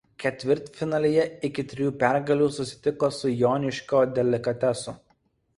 Ketvirtfinalyje iki trijų pergalių susitiko su Joniškio „Delikatesu“.